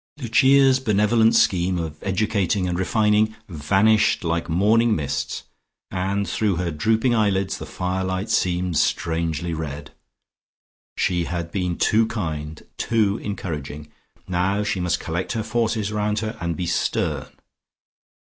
Lucia's benevolent scheme of educating and refining vanished like morning mists, and through her drooping eyelids, the firelight seemed strangely red.... She had been too kind, too encouraging: now she must collect her forces round her and be stern.